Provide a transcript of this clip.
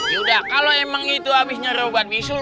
yaudah kalau emang itu abis nyari obat bisul